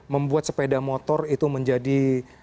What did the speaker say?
membuat sepeda motor itu menjadi